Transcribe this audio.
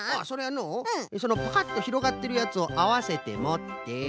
それはのうそのパカッとひろがってるやつをあわせてもって。